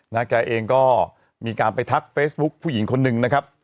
แกเองก็มีการไปทักเฟซบุ๊คผู้หญิงคนหนึ่งนะครับ